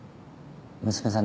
娘さん